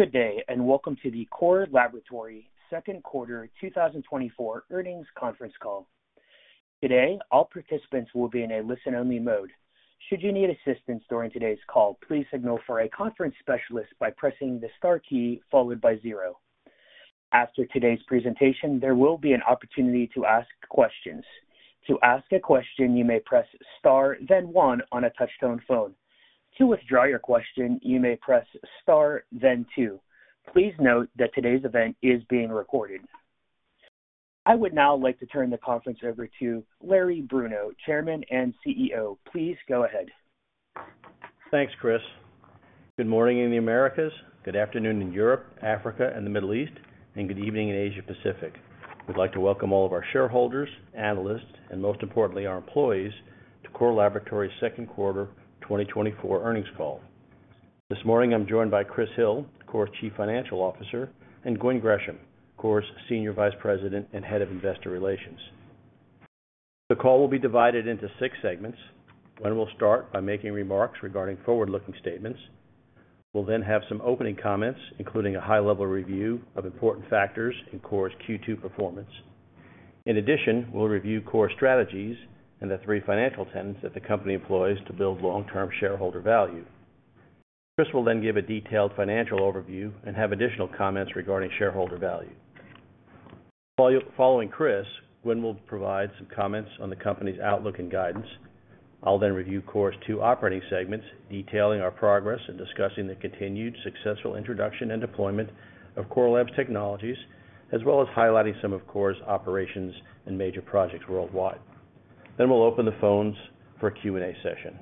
Good day, and welcome to the Core Laboratories second quarter 2024 earnings conference call. Today, all participants will be in a listen-only mode. Should you need assistance during today's call, please signal for a conference specialist by pressing the star key followed by zero. After today's presentation, there will be an opportunity to ask questions. To ask a question, you may press Star, then one on a touch-tone phone. To withdraw your question, you may press Star, then two. Please note that today's event is being recorded. I would now like to turn the conference over to Larry Bruno, Chairman and CEO. Please go ahead. Thanks, Chris. Good morning in the Americas, good afternoon in Europe, Africa, and the Middle East, and good evening in Asia Pacific. We'd like to welcome all of our shareholders, analysts, and most importantly, our employees, to Core Laboratories' second quarter 2024 earnings call. This morning, I'm joined by Chris Hill, Core's Chief Financial Officer, and Gwen Gresham, Core's Senior Vice President and Head of Investor Relations. The call will be divided into six segments, and we'll start by making remarks regarding forward-looking statements. We'll then have some opening comments, including a high-level review of important factors in Core's Q2 performance. In addition, we'll review Core's strategies and the three financial tenets that the company employs to build long-term shareholder value. Chris will then give a detailed financial overview and have additional comments regarding shareholder value. Following Chris, Gwen will provide some comments on the company's outlook and guidance. I'll then review Core's two operating segments, detailing our progress and discussing the continued successful introduction and deployment of Core Lab's technologies, as well as highlighting some of Core's operations and major projects worldwide. Then we'll open the phones for a Q&A session.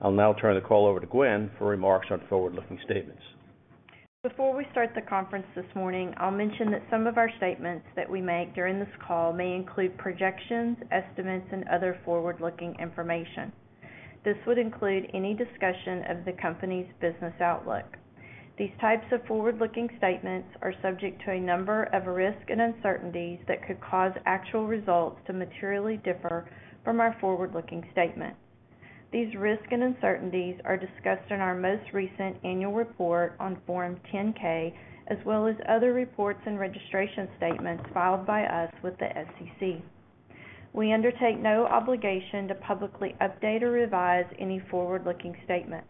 I'll now turn the call over to Gwen for remarks on forward-looking statements. Before we start the conference this morning, I'll mention that some of our statements that we make during this call may include projections, estimates, and other forward-looking information. This would include any discussion of the company's business outlook. These types of forward-looking statements are subject to a number of risks and uncertainties that could cause actual results to materially differ from our forward-looking statement. These risks and uncertainties are discussed in our most recent annual report on Form 10-K, as well as other reports and registration statements filed by us with the SEC. We undertake no obligation to publicly update or revise any forward-looking statement,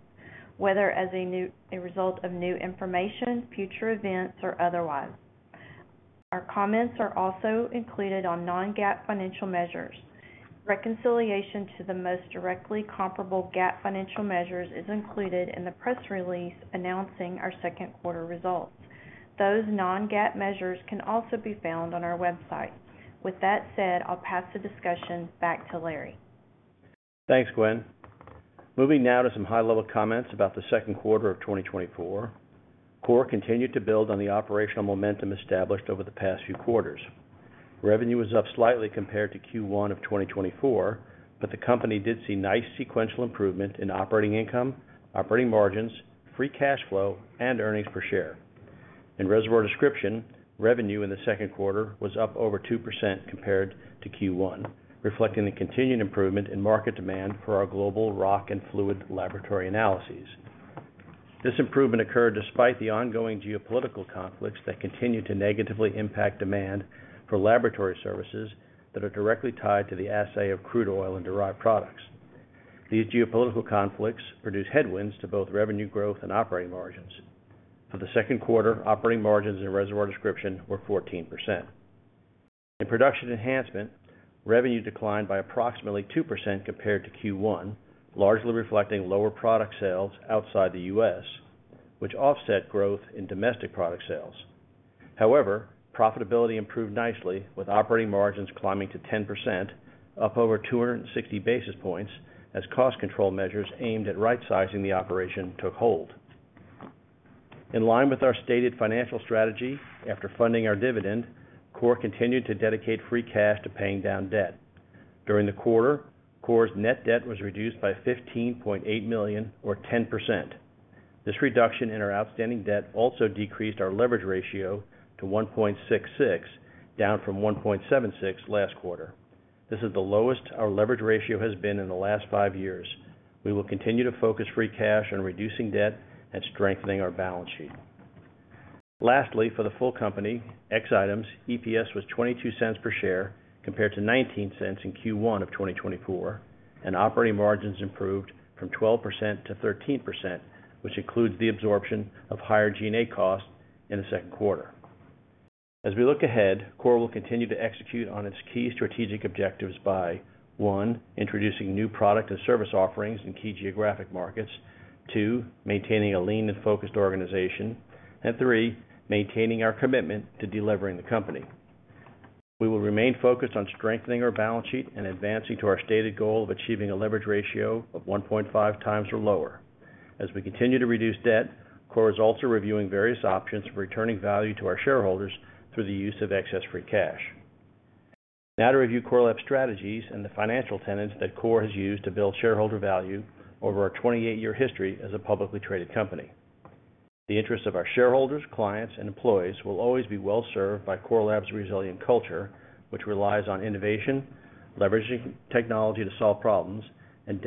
whether as a result of new information, future events, or otherwise. Our comments are also included on non-GAAP financial measures. Reconciliation to the most directly comparable GAAP financial measures is included in the press release announcing our second quarter results. Those non-GAAP measures can also be found on our website. With that said, I'll pass the discussion back to Larry. Thanks, Gwen. Moving now to some high-level comments about the second quarter of 2024. Core continued to build on the operational momentum established over the past few quarters. Revenue was up slightly compared to Q1 of 2024, but the company did see nice sequential improvement in operating income, operating margins, free cash flow, and earnings per share. In Reservoir Description, revenue in the second quarter was up over 2% compared to Q1, reflecting the continued improvement in market demand for our global rock and fluid laboratory analyses. This improvement occurred despite the ongoing geopolitical conflicts that continue to negatively impact demand for laboratory services that are directly tied to the assay of crude oil and derived products. These geopolitical conflicts produce headwinds to both revenue growth and operating margins. For the second quarter, operating margins in Reservoir Description were 14%. In Production Enhancement, revenue declined by approximately 2% compared to Q1, largely reflecting lower product sales outside the US, which offset growth in domestic product sales. However, profitability improved nicely, with operating margins climbing to 10%, up over 260 basis points, as cost control measures aimed at rightsizing the operation took hold. In line with our stated financial strategy, after funding our dividend, Core continued to dedicate free cash to paying down debt. During the quarter, Core's net debt was reduced by $15.8 million, or 10%. This reduction in our outstanding debt also decreased our leverage ratio to 1.66, down from 1.76 last quarter. This is the lowest our leverage ratio has been in the last 5 years. We will continue to focus free cash on reducing debt and strengthening our balance sheet. Lastly, for the full company, ex items, EPS was $0.22 per share, compared to $0.19 in Q1 of 2024, and operating margins improved from 12% to 13%, which includes the absorption of higher G&A costs in the second quarter. As we look ahead, Core will continue to execute on its key strategic objectives by, 1, introducing new product and service offerings in key geographic markets, 2, maintaining a lean and focused organization, and 3, maintaining our commitment to delivering the company. We will remain focused on strengthening our balance sheet and advancing to our stated goal of achieving a leverage ratio of 1.5 times or lower. As we continue to reduce debt, Core is also reviewing various options for returning value to our shareholders through the use of excess free cash. Now to review Core Lab's strategies and the financial tenets that Core has used to build shareholder value over our 28-year history as a publicly traded company. The interests of our shareholders, clients, and employees will always be well served by Core Lab's resilient culture, which relies on innovation, leveraging technology to solve problems, and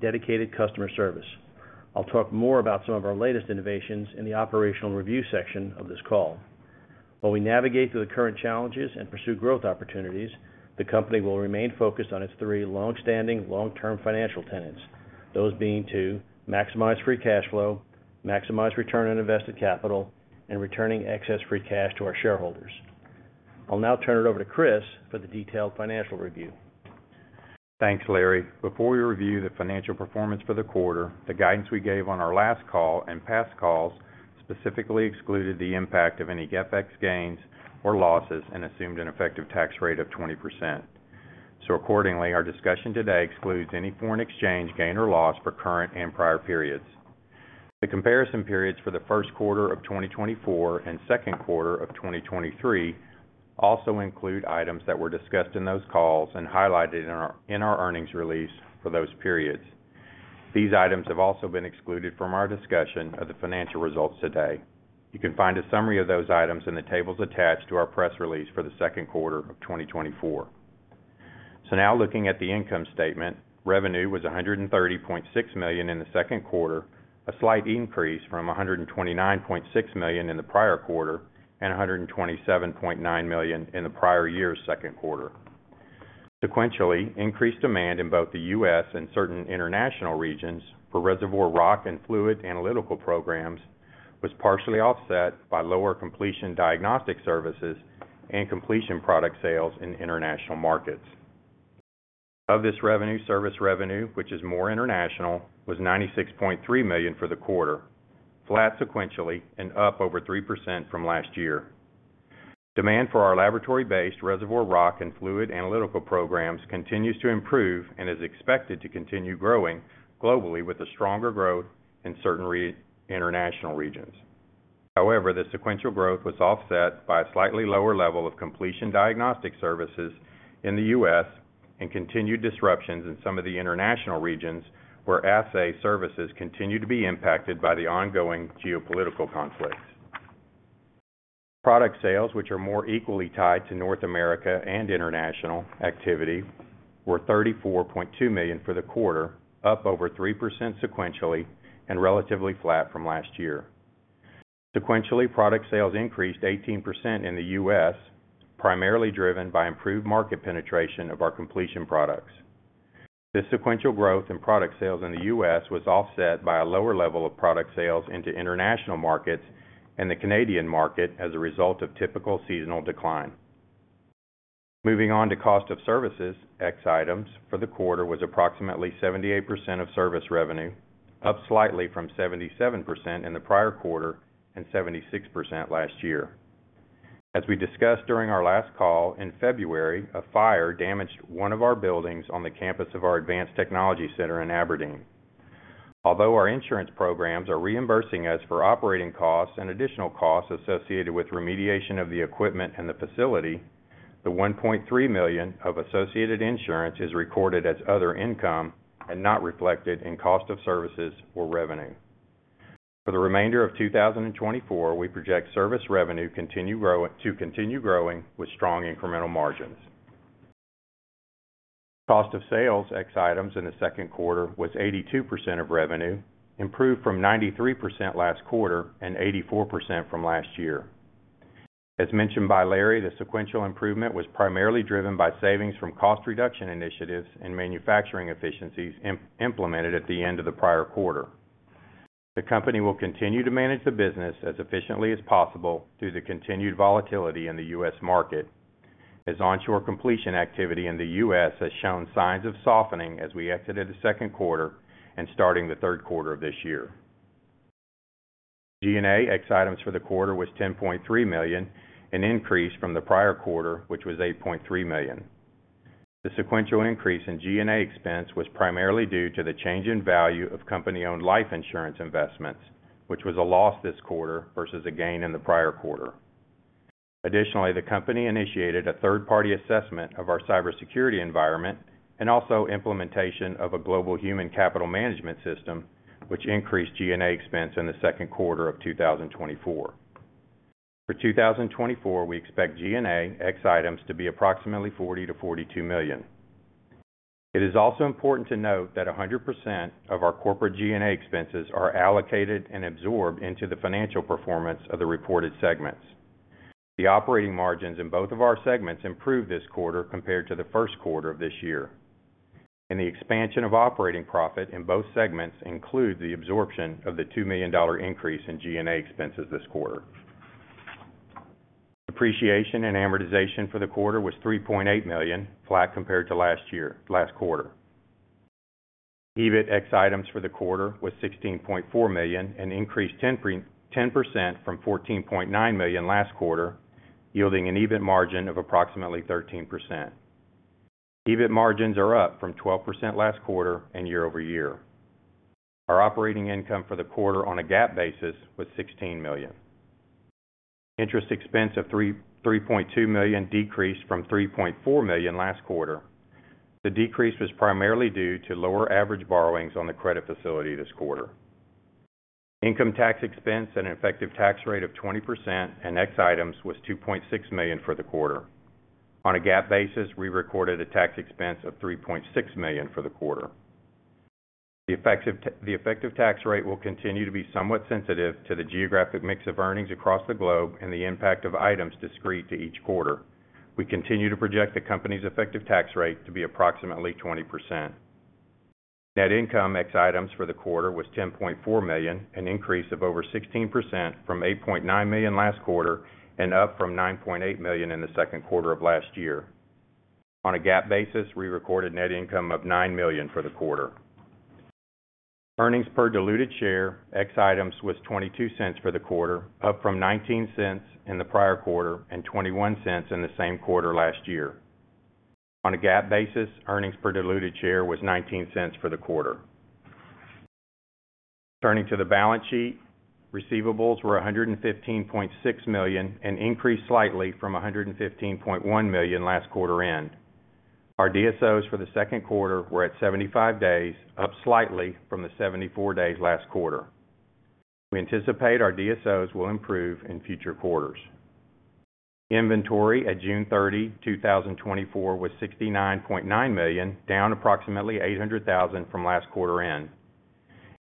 dedicated customer service. I'll talk more about some of our latest innovations in the operational review section of this call.... While we navigate through the current challenges and pursue growth opportunities, the company will remain focused on its three long-standing, long-term financial tenets. Those being to maximize free cash flow, maximize return on invested capital, and returning excess free cash to our shareholders. I'll now turn it over to Chris for the detailed financial review. Thanks, Larry. Before we review the financial performance for the quarter, the guidance we gave on our last call and past calls specifically excluded the impact of any FX gains or losses and assumed an effective tax rate of 20%. So accordingly, our discussion today excludes any foreign exchange gain or loss for current and prior periods. The comparison periods for the first quarter of 2024 and second quarter of 2023 also include items that were discussed in those calls and highlighted in our earnings release for those periods. These items have also been excluded from our discussion of the financial results today. You can find a summary of those items in the tables attached to our press release for the second quarter of 2024. So now, looking at the income statement, revenue was $130.6 million in the second quarter, a slight increase from $129.6 million in the prior quarter, and $127.9 million in the prior year's second quarter. Sequentially, increased demand in both the U.S. and certain international regions for reservoir rock and fluid analytical programs, was partially offset by lower completion diagnostic services and completion product sales in international markets. Of this revenue, service revenue, which is more international, was $96.3 million for the quarter, flat sequentially and up over 3% from last year. Demand for our laboratory-based reservoir rock and fluid analytical programs continues to improve and is expected to continue growing globally with a stronger growth in certain international regions. However, the sequential growth was offset by a slightly lower level of completion diagnostic services in the U.S., and continued disruptions in some of the international regions, where assay services continue to be impacted by the ongoing geopolitical conflicts. Product sales, which are more equally tied to North America and international activity, were $34.2 million for the quarter, up over 3% sequentially and relatively flat from last year. Sequentially, product sales increased 18% in the U.S., primarily driven by improved market penetration of our completion products. This sequential growth in product sales in the U.S. was offset by a lower level of product sales into international markets and the Canadian market as a result of typical seasonal decline. Moving on to cost of services, ex items for the quarter was approximately 78% of service revenue, up slightly from 77% in the prior quarter and 76% last year. As we discussed during our last call, in February, a fire damaged one of our buildings on the campus of our Advanced Technology Center in Aberdeen. Although our insurance programs are reimbursing us for operating costs and additional costs associated with remediation of the equipment and the facility, the $1.3 million of associated insurance is recorded as other income and not reflected in cost of services or revenue. For the remainder of 2024, we project service revenue to continue growing with strong incremental margins. Cost of sales, ex items, in the second quarter was 82% of revenue, improved from 93% last quarter and 84% from last year. As mentioned by Larry, the sequential improvement was primarily driven by savings from cost reduction initiatives and manufacturing efficiencies implemented at the end of the prior quarter. The company will continue to manage the business as efficiently as possible through the continued volatility in the U.S. market, as onshore completion activity in the U.S. has shown signs of softening as we exited the second quarter and starting the third quarter of this year. G&A ex items for the quarter was $10.3 million, an increase from the prior quarter, which was $8.3 million. The sequential increase in G&A expense was primarily due to the change in value of company-owned life insurance investments, which was a loss this quarter versus a gain in the prior quarter. Additionally, the company initiated a third-party assessment of our cybersecurity environment and also implementation of a global human capital management system, which increased G&A expense in the second quarter of 2024. For 2024, we expect G&A ex items to be approximately $40-$42 million. It is also important to note that 100% of our corporate G&A expenses are allocated and absorbed into the financial performance of the reported segments. The operating margins in both of our segments improved this quarter compared to the first quarter of this year. And the expansion of operating profit in both segments include the absorption of the $2 million increase in G&A expenses this quarter. Depreciation and amortization for the quarter was $3.8 million, flat compared to last year-- last quarter. EBIT ex items for the quarter was $16.4 million, an increase 10% from $14.9 million last quarter, yielding an EBIT margin of approximately 13%. EBIT margins are up from 12% last quarter and year-over-year. Our operating income for the quarter on a GAAP basis was $16 million. Interest expense of $3.2 million decreased from $3.4 million last quarter. The decrease was primarily due to lower average borrowings on the credit facility this quarter. Income tax expense and effective tax rate of 20% and ex items was $2.6 million for the quarter. On a GAAP basis, we recorded a tax expense of $3.6 million for the quarter. The effective tax rate will continue to be somewhat sensitive to the geographic mix of earnings across the globe and the impact of items discrete to each quarter. We continue to project the company's effective tax rate to be approximately 20%. Net income ex items for the quarter was $10.4 million, an increase of over 16% from $8.9 million last quarter, and up from $9.8 million in the second quarter of last year. On a GAAP basis, we recorded net income of $9 million for the quarter. Earnings per diluted share, ex items, was $0.22 for the quarter, up from $0.19 in the prior quarter and $0.21 in the same quarter last year. On a GAAP basis, earnings per diluted share was $0.19 for the quarter. Turning to the balance sheet, receivables were $115.6 million, and increased slightly from $115.1 million last quarter end. Our DSOs for the second quarter were at 75 days, up slightly from the 74 days last quarter. We anticipate our DSOs will improve in future quarters. Inventory at June 30, 2024, was $69.9 million, down approximately $800,000 from last quarter end.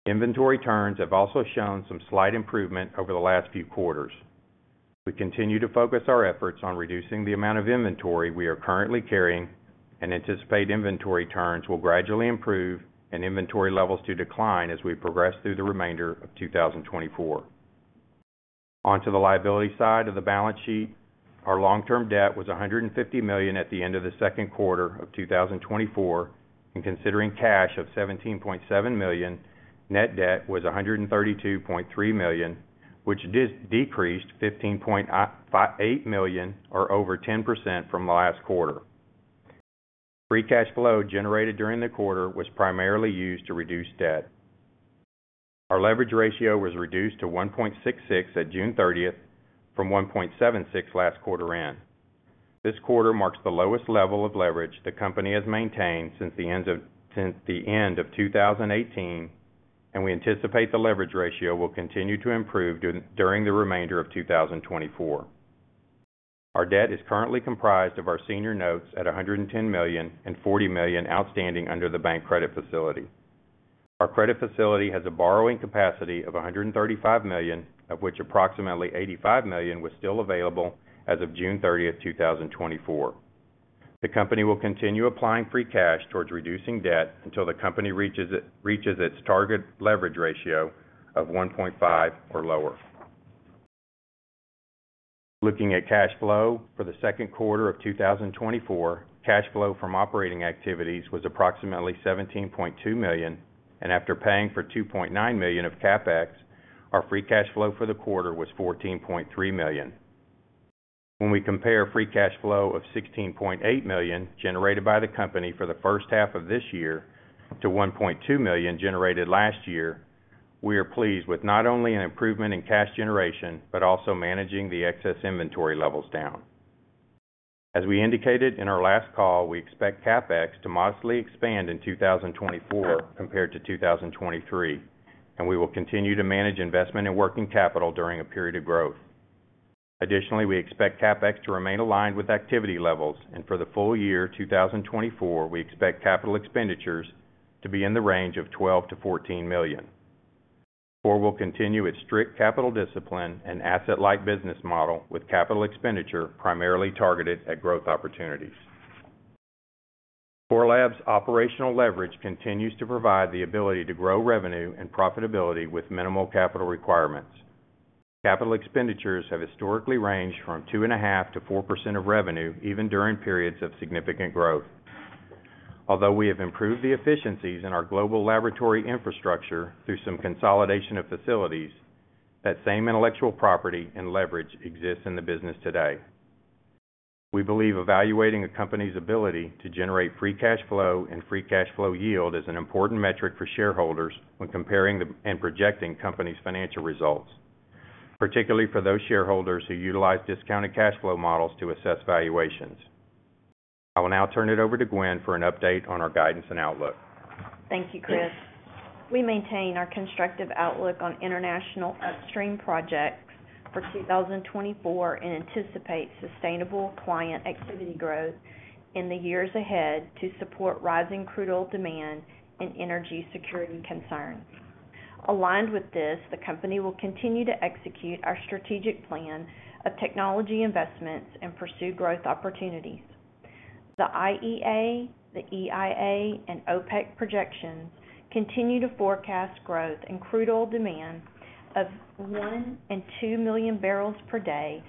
Inventory turns have also shown some slight improvement over the last few quarters. We continue to focus our efforts on reducing the amount of inventory we are currently carrying, and anticipate inventory turns will gradually improve and inventory levels to decline as we progress through the remainder of 2024. On to the liability side of the balance sheet. Our long-term debt was $150 million at the end of the second quarter of 2024, and considering cash of $17.7 million, net debt was $132.3 million, which decreased $15.58 million, or over 10% from last quarter. Free cash flow generated during the quarter was primarily used to reduce debt. Our leverage ratio was reduced to 1.66 at June 30, from 1.76 last quarter end. This quarter marks the lowest level of leverage the company has maintained since the end of 2018, and we anticipate the leverage ratio will continue to improve during the remainder of 2024. Our debt is currently comprised of our senior notes at $110 million, and $40 million outstanding under the bank credit facility. Our credit facility has a borrowing capacity of $135 million, of which approximately $85 million was still available as of June 30, 2024. The company will continue applying free cash towards reducing debt until the company reaches its target leverage ratio of 1.5 or lower. Looking at cash flow for the second quarter of 2024, cash flow from operating activities was approximately $17.2 million, and after paying for $2.9 million of CapEx, our free cash flow for the quarter was $14.3 million. When we compare free cash flow of $16.8 million generated by the company for the first half of this year to $1.2 million generated last year, we are pleased with not only an improvement in cash generation, but also managing the excess inventory levels down. As we indicated in our last call, we expect CapEx to modestly expand in 2024 compared to 2023, and we will continue to manage investment and working capital during a period of growth. Additionally, we expect CapEx to remain aligned with activity levels, and for the full year, 2024, we expect capital expenditures to be in the range of $12 million-$14 million. Core will continue its strict capital discipline and asset-light business model with capital expenditure primarily targeted at growth opportunities. Core Lab's operational leverage continues to provide the ability to grow revenue and profitability with minimal capital requirements. Capital expenditures have historically ranged from 2.5%-4% of revenue, even during periods of significant growth. Although we have improved the efficiencies in our global laboratory infrastructure through some consolidation of facilities, that same intellectual property and leverage exists in the business today. We believe evaluating a company's ability to generate free cash flow and free cash flow yield is an important metric for shareholders when comparing the and projecting company's financial results, particularly for those shareholders who utilize discounted cash flow models to assess valuations. I will now turn it over to Gwen for an update on our guidance and outlook. Thank you, Chris. We maintain our constructive outlook on international upstream projects for 2024, and anticipate sustainable client activity growth in the years ahead to support rising crude oil demand and energy security concerns. Aligned with this, the company will continue to execute our strategic plan of technology investments and pursue growth opportunities. The IEA, the EIA, and OPEC projections continue to forecast growth in crude oil demand of 1 and 2 million barrels per day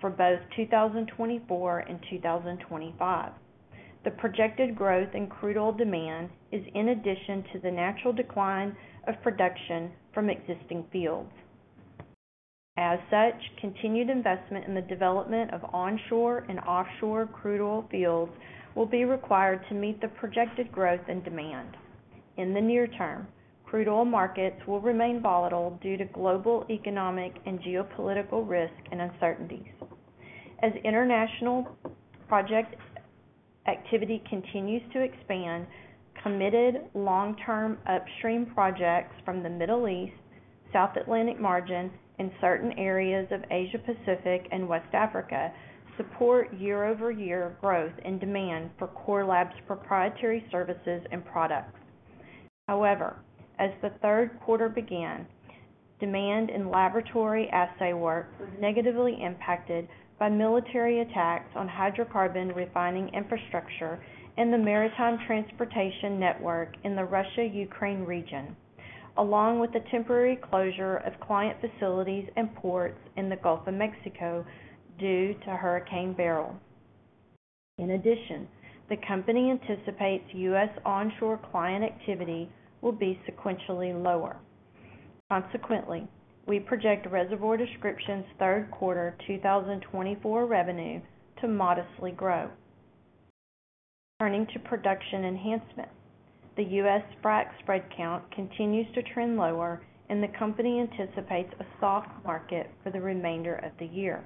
for both 2024 and 2025. The projected growth in crude oil demand is in addition to the natural decline of production from existing fields. As such, continued investment in the development of onshore and offshore crude oil fields will be required to meet the projected growth and demand. In the near term, crude oil markets will remain volatile due to global economic and geopolitical risk and uncertainties. As international project activity continues to expand, committed long-term upstream projects from the Middle East, South Atlantic margins in certain areas of Asia Pacific and West Africa, support year-over-year growth and demand for Core Lab's proprietary services and products. However, as the third quarter began, demand in laboratory assay work was negatively impacted by military attacks on hydrocarbon refining infrastructure and the maritime transportation network in the Russia-Ukraine region, along with the temporary closure of client facilities and ports in the Gulf of Mexico due to Hurricane Beryl. In addition, the company anticipates US onshore client activity will be sequentially lower. Consequently, we project reservoir descriptions third quarter 2024 revenue to modestly grow. Turning to production enhancement. The U.S. frac spread count continues to trend lower, and the company anticipates a soft market for the remainder of the year.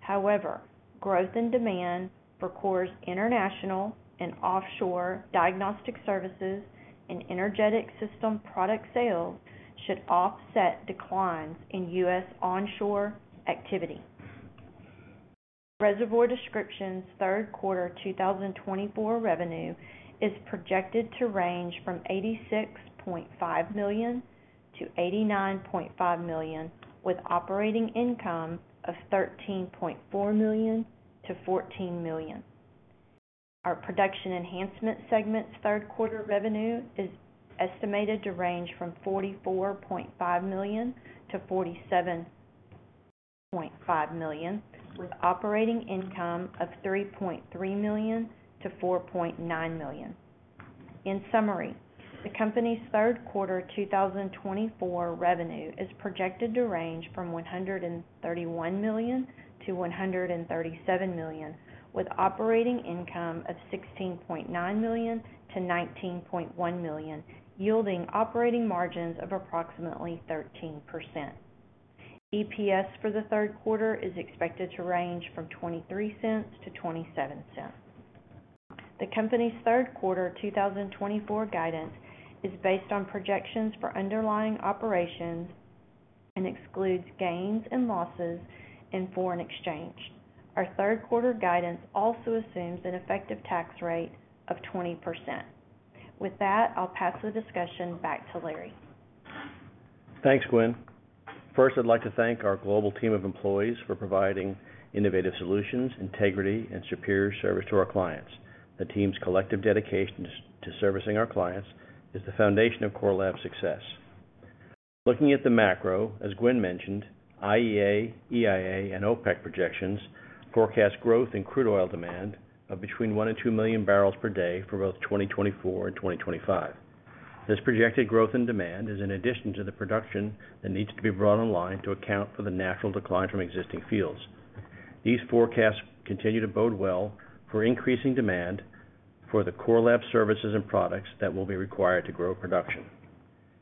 However, growth in demand for Core's international and offshore diagnostic services and energetic system product sales should offset declines in U.S. onshore activity. Reservoir Description's third quarter 2024 revenue is projected to range from $86.5 million-$89.5 million, with operating income of $13.4 million-$14 million. Our production enhancement segment's third quarter revenue is estimated to range from $44.5 million-$47.5 million, with operating income of $3.3 million-$4.9 million. In summary, the company's third quarter 2024 revenue is projected to range from $131 million-$137 million, with operating income of $16.9 million-$19.1 million, yielding operating margins of approximately 13%. EPS for the third quarter is expected to range from $0.23-$0.27. The company's third quarter 2024 guidance is based on projections for underlying operations and excludes gains and losses in foreign exchange. Our third quarter guidance also assumes an effective tax rate of 20%. With that, I'll pass the discussion back to Larry. Thanks, Gwen. First, I'd like to thank our global team of employees for providing innovative solutions, integrity, and superior service to our clients. The team's collective dedication to servicing our clients is the foundation of Core Lab's success. Looking at the macro, as Gwen mentioned, IEA, EIA, and OPEC projections forecast growth in crude oil demand of between 1 and 2 million barrels per day for both 2024 and 2025. This projected growth in demand is in addition to the production that needs to be brought online to account for the natural decline from existing fields. These forecasts continue to bode well for increasing demand for the Core Lab services and products that will be required to grow production.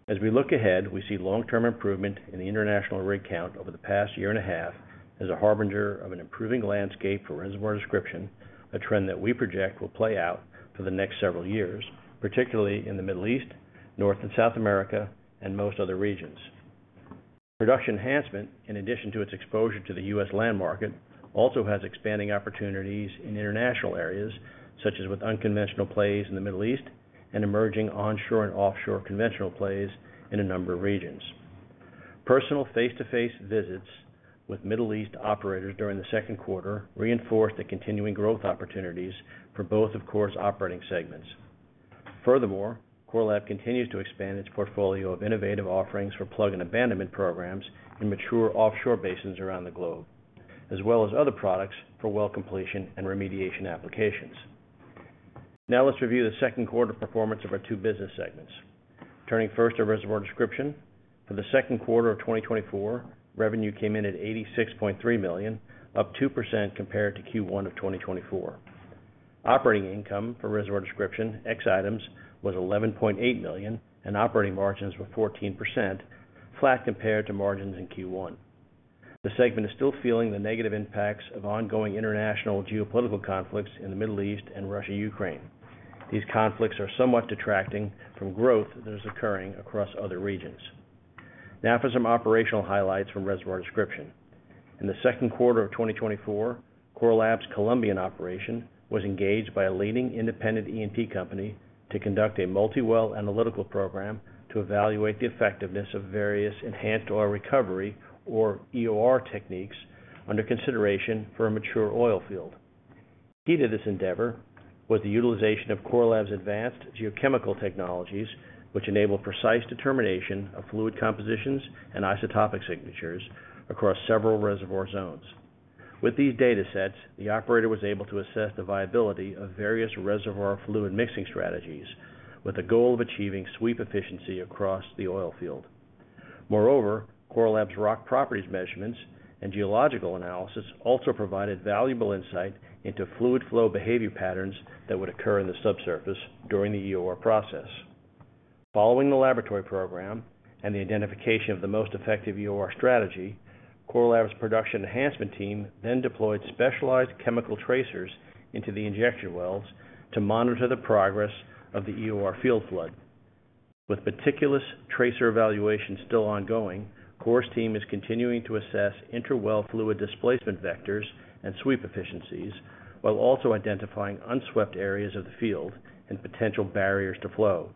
As we look ahead, we see long-term improvement in the international rig count over the past year and a half as a harbinger of an improving landscape for reservoir description, a trend that we project will play out for the next several years, particularly in the Middle East, North and South America, and most other regions. Production enhancement, in addition to its exposure to the U.S. land market, also has expanding opportunities in international areas, such as with unconventional plays in the Middle East and emerging onshore and offshore conventional plays in a number of regions. Personal face-to-face visits with Middle East operators during the second quarter reinforced the continuing growth opportunities for both of Core's operating segments. Furthermore, Core Lab continues to expand its portfolio of innovative offerings for plug-and-abandonment programs in mature offshore basins around the globe, as well as other products for well completion and remediation applications. Now, let's review the second quarter performance of our two business segments. Turning first to reservoir description. For the second quarter of 2024, revenue came in at $86.3 million, up 2% compared to Q1 of 2024. Operating income for reservoir description, ex items, was $11.8 million, and operating margins were 14%, flat compared to margins in Q1. The segment is still feeling the negative impacts of ongoing international geopolitical conflicts in the Middle East and Russia-Ukraine. These conflicts are somewhat detracting from growth that is occurring across other regions. Now for some operational highlights from reservoir description. In the second quarter of 2024, Core Lab's Colombian operation was engaged by a leading independent E&P company to conduct a multi-well analytical program to evaluate the effectiveness of various enhanced oil recovery, or EOR, techniques under consideration for a mature oil field. Key to this endeavor was the utilization of Core Lab's advanced geochemical technologies, which enable precise determination of fluid compositions and isotopic signatures across several reservoir zones. With these datasets, the operator was able to assess the viability of various reservoir fluid mixing strategies with the goal of achieving sweep efficiency across the oil field. Moreover, Core Lab's rock properties measurements and geological analysis also provided valuable insight into fluid flow behavior patterns that would occur in the subsurface during the EOR process. Following the laboratory program and the identification of the most effective EOR strategy, Core Lab's production enhancement team then deployed specialized chemical tracers into the injection wells to monitor the progress of the EOR field flood. With meticulous tracer evaluation still ongoing, Core's team is continuing to assess interwell fluid displacement vectors and sweep efficiencies, while also identifying unswept areas of the field and potential barriers to flow,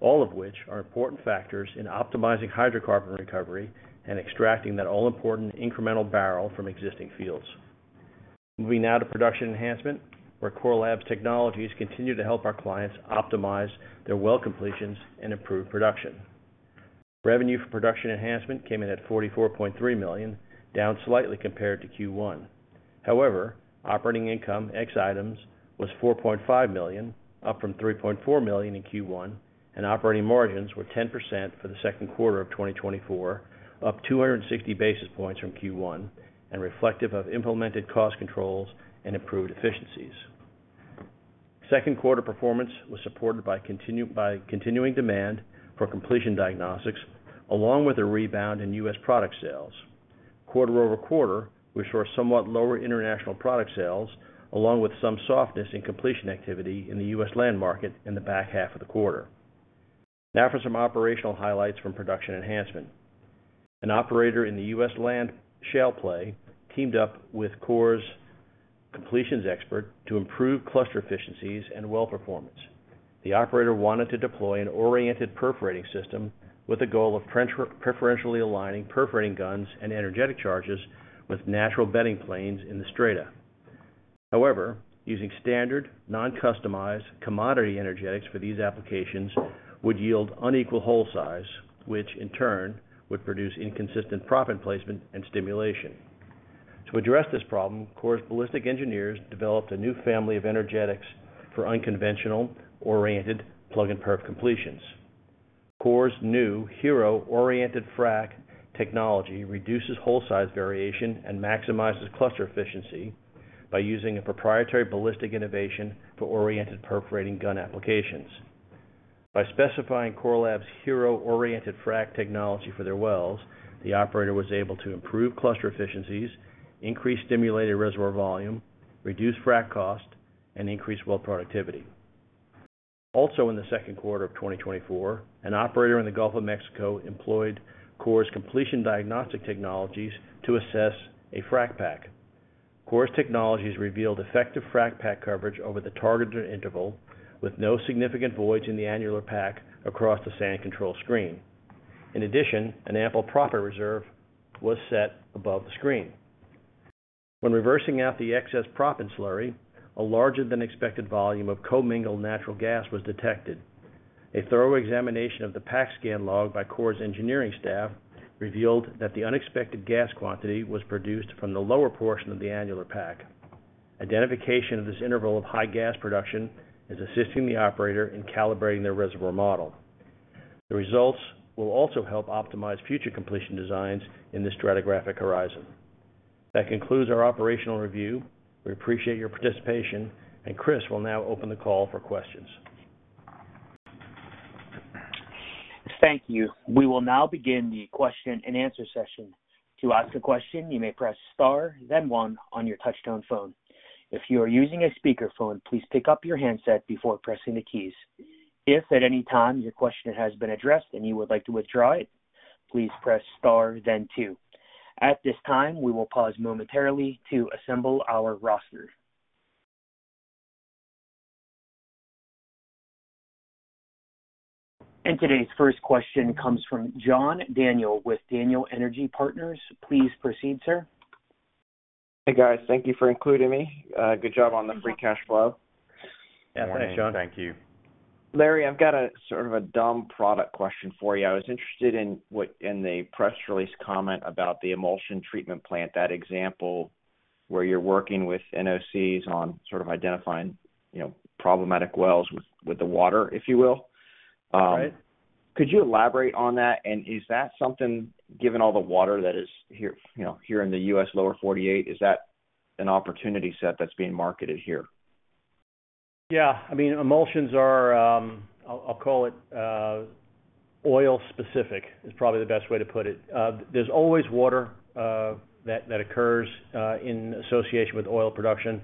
all of which are important factors in optimizing hydrocarbon recovery and extracting that all-important incremental barrel from existing fields. Moving now to Production Enhancement, where Core Lab's technologies continue to help our clients optimize their well completions and improve production. Revenue for Production Enhancement came in at $44.3 million, down slightly compared to Q1. However, operating income, ex items, was $4.5 million, up from $3.4 million in Q1, and operating margins were 10% for the second quarter of 2024, up 260 basis points from Q1, and reflective of implemented cost controls and improved efficiencies. Second quarter performance was supported by continuing demand for completion diagnostics, along with a rebound in US product sales. Quarter over quarter, we saw somewhat lower international product sales, along with some softness in completion activity in the US land market in the back half of the quarter. Now for some operational highlights from production enhancement. An operator in the US land shale play teamed up with Core's completions expert to improve cluster efficiencies and well performance. The operator wanted to deploy an oriented perforating system with the goal of preferentially aligning perforating guns and energetic charges with natural bedding planes in the strata. However, using standard, non-customized, commodity energetics for these applications would yield unequal hole size, which in turn would produce inconsistent proppant placement and stimulation. To address this problem, Core's ballistic engineers developed a new family of energetics for unconventional, oriented, plug and perf completions. Core's new HERO-Oriented Frac technology reduces hole size variation and maximizes cluster efficiency by using a proprietary ballistic innovation for oriented perforating gun applications. By specifying Core Lab's HERO-Oriented Frac technology for their wells, the operator was able to improve cluster efficiencies, increase stimulated reservoir volume, reduce frac cost, and increase well productivity. Also, in the second quarter of 2024, an operator in the Gulf of Mexico employed Core's completion diagnostic technologies to assess a frac pack. Core's technologies revealed effective Frac pack coverage over the targeted interval, with no significant voids in the annular pack across the sand control screen. In addition, an ample proppant reserve was set above the screen. When reversing out the excess proppant slurry, a larger-than-expected volume of commingled natural gas was detected. A thorough examination of the PackScan log by Core's engineering staff revealed that the unexpected gas quantity was produced from the lower portion of the annular pack. Identification of this interval of high gas production is assisting the operator in calibrating their reservoir model. The results will also help optimize future completion designs in the stratigraphic horizon. That concludes our operational review. We appreciate your participation, and Chris will now open the call for questions. Thank you. We will now begin the question-and-answer session. To ask a question, you may press star then one on your touchtone phone. If you are using a speakerphone, please pick up your handset before pressing the keys. If at any time your question has been addressed and you would like to withdraw it, please press star then two. At this time, we will pause momentarily to assemble our roster. Today's first question comes from John Daniel with Daniel Energy Partners. Please proceed, sir. Hey, guys. Thank you for including me. Good job on the free cash flow. Yeah. Thanks, John. Thank you. Larry, I've got a sort of a dumb product question for you. I was interested in what, in the press release comment about the emulsion treatment plant, that example where you're working with NOCs on sort of identifying, you know, problematic wells with, with the water, if you will. Right. Could you elaborate on that? And is that something, given all the water that is here, you know, here in the US, Lower 48, is that an opportunity set that's being marketed here? Yeah. I mean, emulsions are, I'll call it, oil-specific, is probably the best way to put it. There's always water that occurs in association with oil production,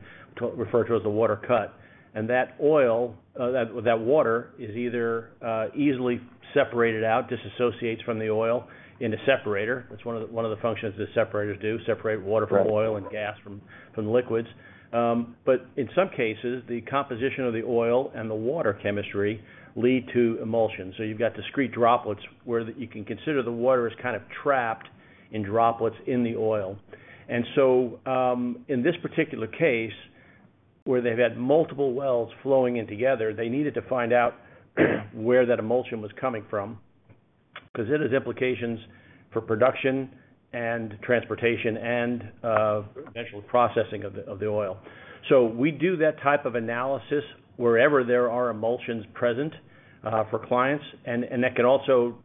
referred to as the water cut. And that oil, that water is either, easily separated out, disassociates from the oil in a separator. That's one of the functions that separators do, separate water from oil and gas from liquids. But in some cases, the composition of the oil and the water chemistry lead to emulsion. So you've got discrete droplets where you can consider the water is kind of trapped in droplets in the oil. And so, in this particular case, where they've had multiple wells flowing in together, they needed to find out where that emulsion was coming from, because it has implications for production and transportation and eventual processing of the oil. So we do that type of analysis wherever there are emulsions present for clients, and that can also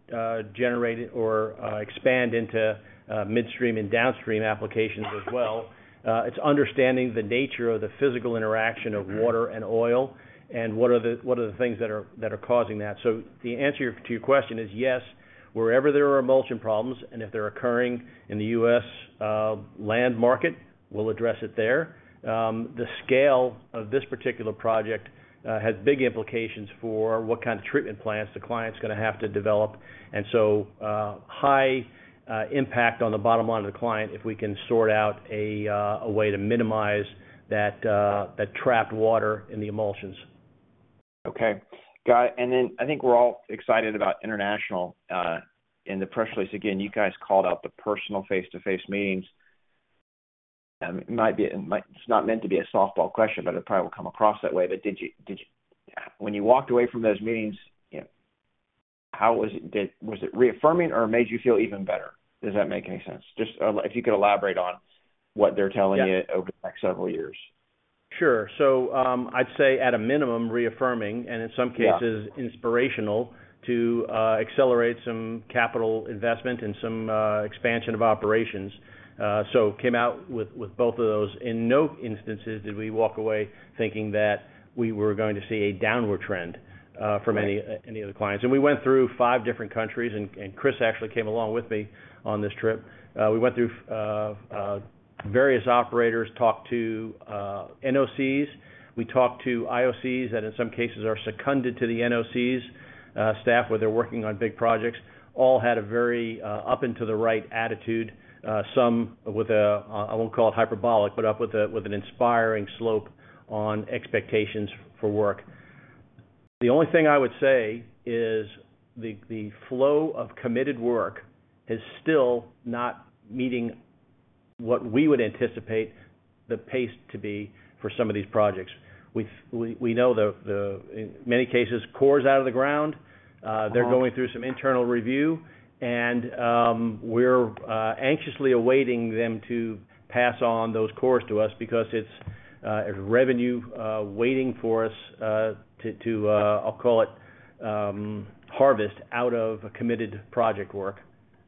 generate or expand into midstream and downstream applications as well. It's understanding the nature of the physical interaction of water and oil, and what are the things that are causing that. So the answer to your question is yes. Wherever there are emulsion problems, and if they're occurring in the U.S. land market, we'll address it there. The scale of this particular project has big implications for what kind of treatment plans the client's gonna have to develop. And so, high impact on the bottom line of the client if we can sort out a way to minimize that trapped water in the emulsions. Okay, got it. And then I think we're all excited about international. In the press release, again, you guys called out the personal face-to-face meetings. It's not meant to be a softball question, but it probably will come across that way. But did you, when you walked away from those meetings, you know, how was it, was it reaffirming or it made you feel even better? Does that make any sense? Just, if you could elaborate on what they're telling you over the next several years. Sure. So, I'd say, at a minimum, reaffirming, and in some cases inspirational to accelerate some capital investment and some expansion of operations. So came out with both of those. In no instances did we walk away thinking that we were going to see a downward trend from any of the clients. And we went through five different countries, and Chris actually came along with me on this trip. We went through various operators, talked to NOCs, we talked to IOCs, that in some cases are seconded to the NOCs staff, where they're working on big projects. All had a very up and to the right attitude, some with a, I won't call it hyperbolic, but up with a, with an inspiring slope on expectations for work. The only thing I would say is the flow of committed work is still not meeting what we would anticipate the pace to be for some of these projects. We know in many cases, core is out of the ground. They're going through some internal review, and we're anxiously awaiting them to pass on those cores to us because it's revenue waiting for us to, to, I'll call it, harvest out of a committed project work.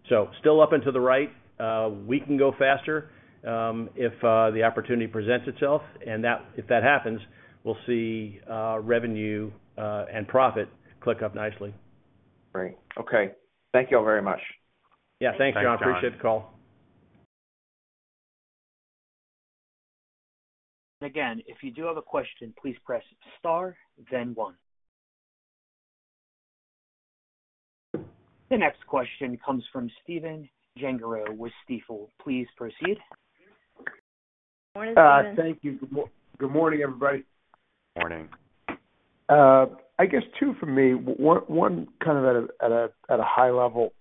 So still up into the right. We can go faster if the opportunity presents itself, and that if that happens, we'll see revenue and profit click up nicely. Great. Okay. Thank you all very much. Yeah. Thanks Thanks, John. Appreciate the call. Again, if you do have a question, please press star, then one. The next question comes from Steven Giangrillo with Stifel. Please proceed. Good morning, Stephen. Thank you. Good morning, everybody. Morning. I guess two for me. One, kind of, at a high level.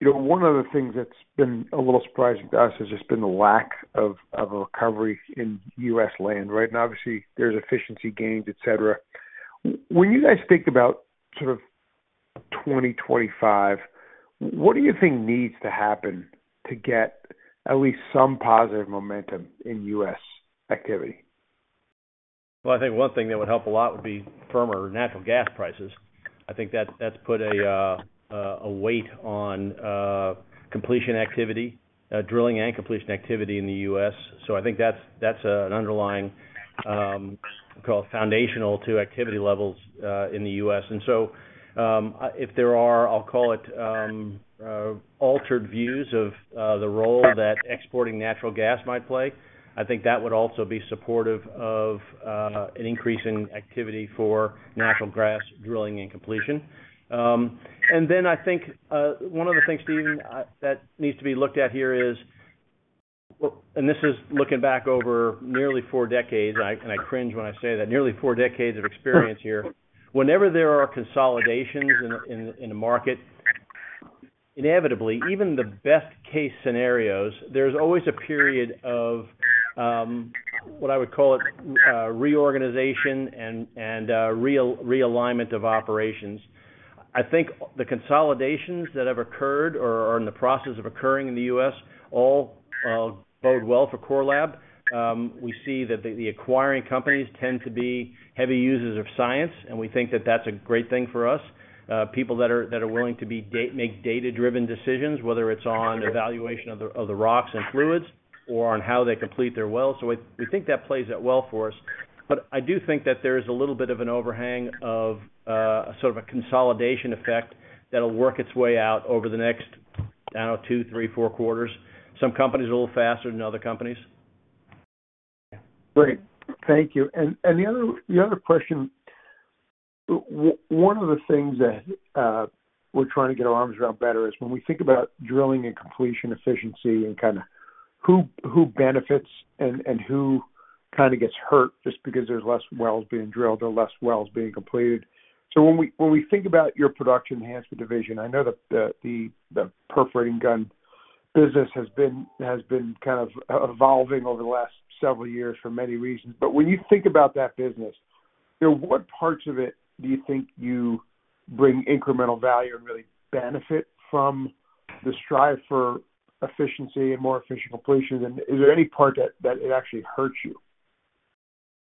You know, one of the things that's been a little surprising to us has just been the lack of a recovery in US land, right? And obviously, there's efficiency gains, et cetera. When you guys think about sort of 2025, what do you think needs to happen to get at least some positive momentum in US activity? Well, I think one thing that would help a lot would be firmer natural gas prices. I think that's put a weight on completion activity, drilling and completion activity in the U.S. So I think that's an underlying, call it foundational to activity levels in the U.S. And so, if there are, I'll call it, altered views of the role that exporting natural gas might play, I think that would also be supportive of an increase in activity for natural gas drilling and completion. And then I think, one of the things, Stephen, that needs to be looked at here is, and this is looking back over nearly four decades, I, and I cringe when I say that, nearly four decades of experience here. Whenever there are consolidations in the market, inevitably, even the best-case scenarios, there's always a period of reorganization and realignment of operations. I think the consolidations that have occurred or are in the process of occurring in the U.S., all bode well for Core Lab. We see that the acquiring companies tend to be heavy users of science, and we think that that's a great thing for us. People that are willing to make data-driven decisions, whether it's on evaluation of the rocks and fluids or on how they complete their wells. So we think that plays out well for us, but I do think that there is a little bit of an overhang of sort of a consolidation effect that'll work its way out over the next, I don't know, 2, 3, 4 quarters. Some companies are a little faster than other companies. Great. Thank you. And the other question, one of the things that we're trying to get our arms around better is when we think about drilling and completion efficiency and kind of who benefits and who kind of gets hurt just because there's less wells being drilled or less wells being completed. So when we think about your Production Enhancement division, I know that the perforating gun business has been kind of evolving over the last several years for many reasons. But when you think about that business, you know, what parts of it do you think you bring incremental value and really benefit from the strive for efficiency and more efficient completion? And is there any part that it actually hurts you?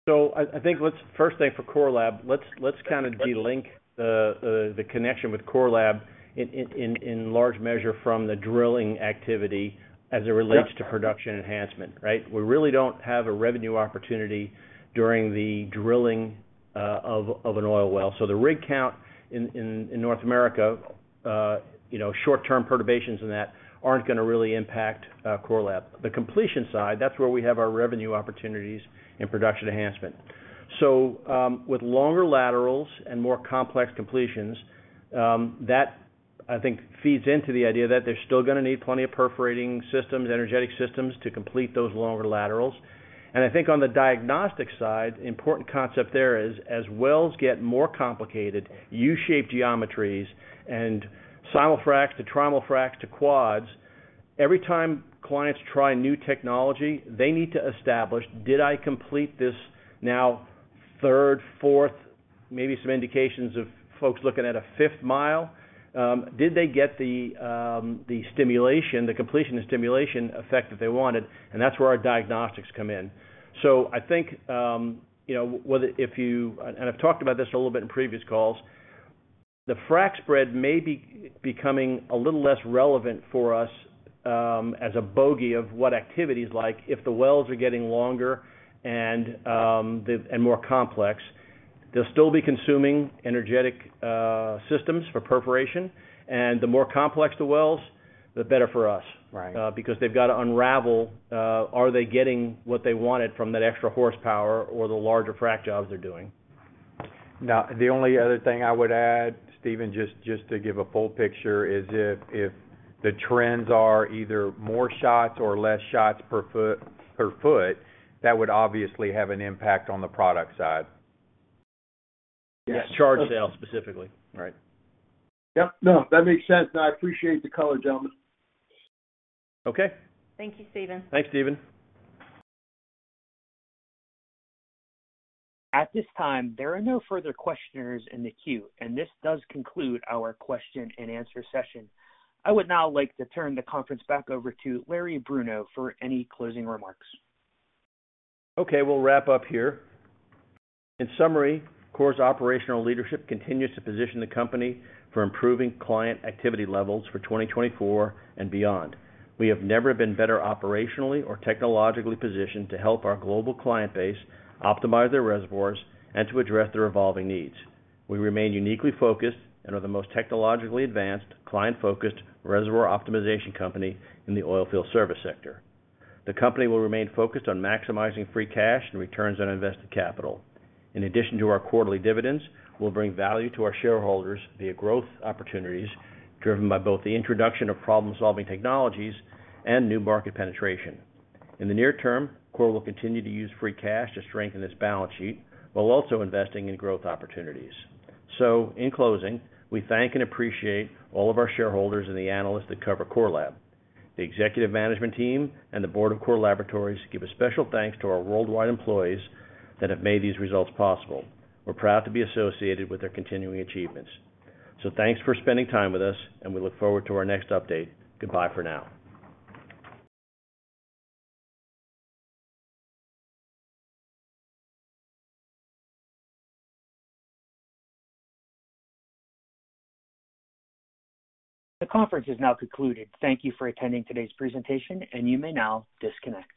So I think let's first thing for Core Lab, let's kind of delink the connection with Core Lab in large measure from the drilling activity as it relates to production enhancement, right? We really don't have a revenue opportunity during the drilling of an oil well. So the rig count in North America, you know, short-term perturbations in that aren't gonna really impact Core Lab. The completion side, that's where we have our revenue opportunities in production enhancement. So, with longer laterals and more complex completions, that, I think, feeds into the idea that they're still gonna need plenty of perforating systems, energetic systems, to complete those longer laterals. I think on the diagnostic side, the important concept there is, as wells get more complicated, U-shaped geometries and simul-fracs to trimul-fracs to quads, every time clients try new technology, they need to establish, did I complete this? Now third, fourth, maybe some indications of folks looking at a fifth mile? Did they get the stimulation, the completion and stimulation effect that they wanted? And that's where our diagnostics come in. So I think, you know, I've talked about this a little bit in previous calls, the frac spread may be becoming a little less relevant for us, as a bogey of what activity is like, if the wells are getting longer and, the, and more complex. They'll still be consuming energetic systems for perforation, and the more complex the wells, the better for us. Right. Because they've got to unravel, are they getting what they wanted from that extra horsepower or the larger frac jobs they're doing? Now, the only other thing I would add, Stephen, just to give a full picture, is if the trends are either more shots or less shots per foot, that would obviously have an impact on the product side. Yes, charge sales specifically. Right. Yep. No, that makes sense, and I appreciate the color, gentlemen. Okay. Thank you, Stephen. Thanks, Stephen. At this time, there are no further questioners in the queue, and this does conclude our question-and-answer session. I would now like to turn the conference back over to Larry Bruno for any closing remarks. Okay, we'll wrap up here. In summary, Core's operational leadership continues to position the company for improving client activity levels for 2024 and beyond. We have never been better operationally or technologically positioned to help our global client base optimize their reservoirs and to address their evolving needs. We remain uniquely focused and are the most technologically advanced, client-focused, reservoir optimization company in the oil field service sector. The company will remain focused on maximizing free cash and returns on invested capital. In addition to our quarterly dividends, we'll bring value to our shareholders via growth opportunities, driven by both the introduction of problem-solving technologies and new market penetration. In the near term, Core will continue to use free cash to strengthen its balance sheet, while also investing in growth opportunities. In closing, we thank and appreciate all of our shareholders and the analysts that cover Core Lab. The executive management team and the board of Core Laboratories give a special thanks to our worldwide employees that have made these results possible. We're proud to be associated with their continuing achievements. So thanks for spending time with us, and we look forward to our next update. Goodbye for now. The conference is now concluded. Thank you for attending today's presentation, and you may now disconnect.